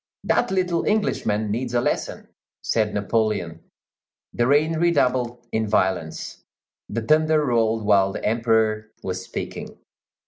"That little Englishman needs a lesson," said Napoleon. The rain redoubled in violence; the thunder rolled while the Emperor was speaking.